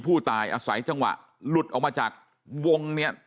ผู้ตายอาศัยจังหวะหลุดออกมาจากวงเนี่ย